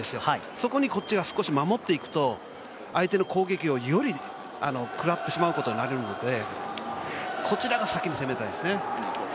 そこにこっちが少し守っていくと相手の攻撃をより食らってくことになるのでこちらが先に攻めたいですね。